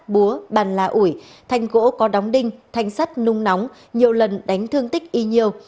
búa bàn la ủi thanh gỗ có đóng đinh thanh sắt nung nóng nhiều lần đánh thương tích y nhiều